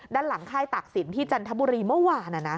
ด้านหลังค่ายตากศิลป์ที่จันทบุรีเมื่อวาน